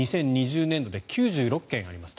２０２０年度で９６件あります。